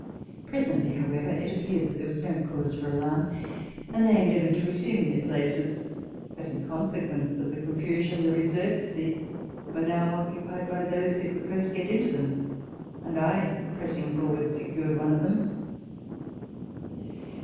Presently, however, it appeared that there was no cause for alarm ;* and they endeavoured to resume their places ; but, in consequence of the confusion, the reserved seats were now occupied by those who could first get into them ; and I, pressing forwards, secured one of them.